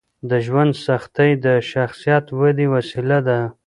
د ژوند سختۍ د شخصیت ودې وسیله ده.